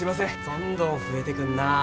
どんどん増えてくんなぁ。